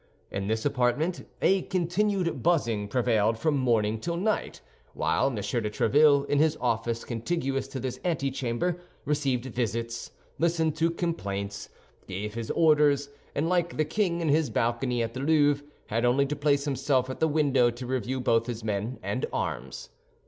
In this apartment a continued buzzing prevailed from morning till night, while M. de Tréville, in his office contiguous to this antechamber, received visits, listened to complaints, gave his orders, and like the king in his balcony at the Louvre, had only to place himself at the window to review both his men and arms.